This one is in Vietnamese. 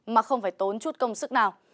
mà không phải tốn chút công sức nào